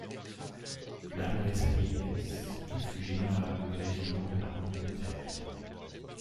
Malgré sa vieillesse, il fut général du régiment de l'armée de terre.